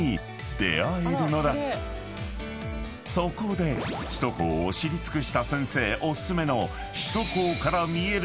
［そこで首都高を知り尽くした先生お薦めの］